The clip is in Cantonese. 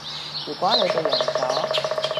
如果你哋贏咗